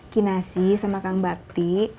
kinasi sama kang bakti